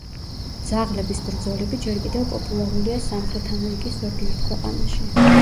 ძაღლების ბრძოლები ჯერ კიდევ პოპულარულია სამხრეთ ამერიკის ზოგიერთ ქვეყანაში.